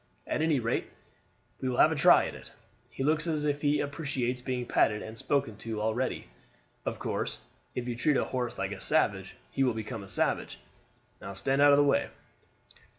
At any rate we will have a try at it. He looks as if he appreciates being patted and spoken to already. Of course if you treat a horse like a savage he will become savage. Now, stand out of the way."